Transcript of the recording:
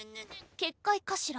結界かしら。